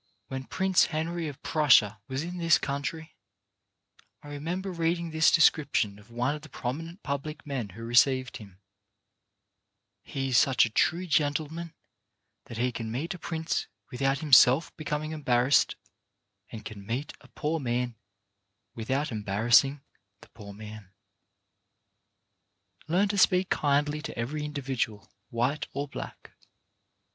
When Prince Henry of Prussia was in this country, I remember reading this descripion of one of the prominent public men who received him: "He is such a true gentleman that he can meet a prince without himself being embarrassed, and can meet a poor man without embarrassing the poor man. " Learn to speak kindly to every individual, white or black.